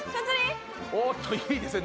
おっといいですね